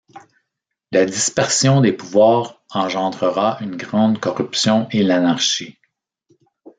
La dispersion des pouvoirs engendrera une grande corruption et l’anarchie.